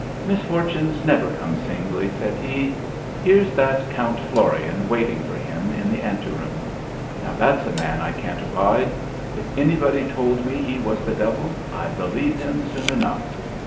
"Misfortunes never come singly," said he. "Here's that Count Florian waiting for him in the ante room. Now that's a man I can't abide. If anybody told me he was the devil, I'd believe him soon enough.